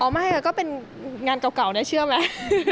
อ๋อไม่ค่ะก็เป็นงานเจ้าเก่าเนี่ยเชื่อมั้ย